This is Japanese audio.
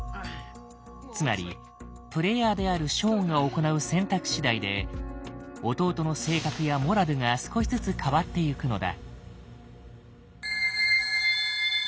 つまりプレイヤーであるショーンが行う選択しだいで弟の性格やモラルが少しずつ変わってゆくのだ。